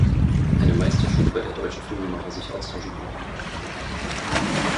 Eine Meisterschule, bei der deutsche Filmemacher sich austauschen konnten.